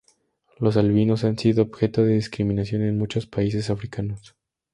Los albinos han sido objeto de discriminación en muchos países africanos.